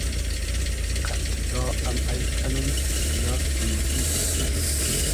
قئد دیگا ام اݷد کئنوم یا کی موگیید؟